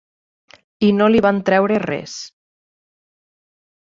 I no li van treure res.